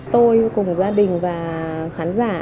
tôi cùng gia đình và khán giả